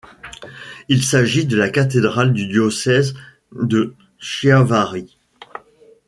Il s'agit de la cathédrale du diocèse de Chiavari.